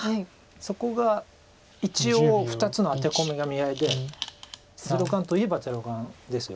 そこが一応２つのアテコミが見合いで０眼といえば０眼ですよね。